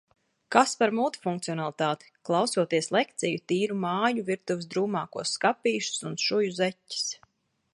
Kas par multifunkcionalitāti! Klausoties lekciju, tīru māju, virtuves drūmākos skapīšus un šuju zeķes.